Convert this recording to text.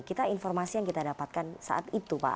kita informasi yang kita dapatkan saat itu pak